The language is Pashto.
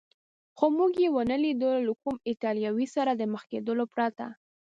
خو موږ یې و نه لیدو، له کوم ایټالوي سره د مخ کېدو پرته.